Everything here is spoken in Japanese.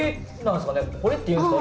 彫りっていうんですか？